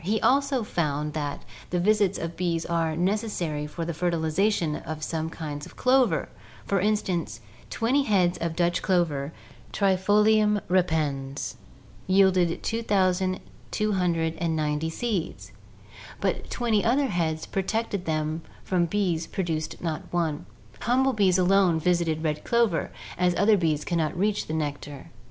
He also found that the visits of bees are necessary for the fertilization of some kinds of clover; "for instance, twenty heads of Dutch clover (Trifolium repens) yielded 2290 seeds, but NATURAL SELECTION 109 twenty other heads protected from bees produced not one. ... Humble bees alone visit red clover, as other bees cannot reach the nectar.